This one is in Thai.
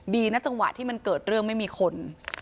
ดีนะจังหวะที่มันเกิดเรื่องไม่มีคน